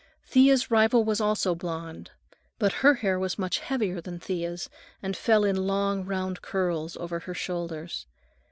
Thea's rival was also a blonde, but her hair was much heavier than Thea's, and fell in long round curls over her shoulders.